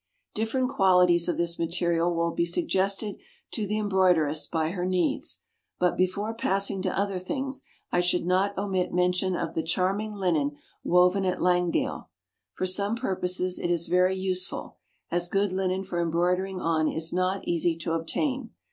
Different qualities of this material will be suggested to the embroideress by her needs; but, before passing to other things, I should not omit mention of the charming linen woven at Langdale. For some purposes it is very useful, as good linen for embroidering on is not easy to obtain.